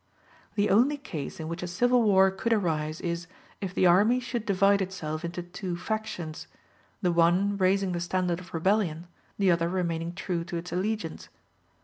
The only case in which a civil war could arise is, if the army should divide itself into two factions, the one raising the standard of rebellion, the other remaining true to its allegiance.